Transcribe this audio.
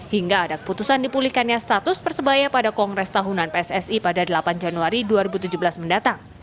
hingga ada keputusan dipulihkannya status persebaya pada kongres tahunan pssi pada delapan januari dua ribu tujuh belas mendatang